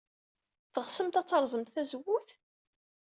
Teɣsemt ad terẓem tzewwut-a?